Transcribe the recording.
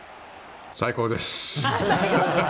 最高です！